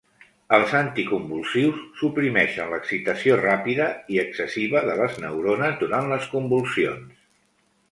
Els anticonvulsius suprimeixen l'excitació ràpida i excessiva de les neurones durant les convulsions.